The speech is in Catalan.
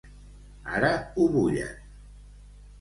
Ara ho bullen.